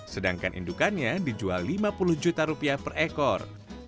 sedangkan indukannya dijual lima puluh juta rupiah per ekor